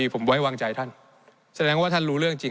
ผมไว้วางใจท่านแสดงว่าท่านรู้เรื่องจริง